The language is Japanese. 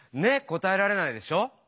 答えられないでしょ？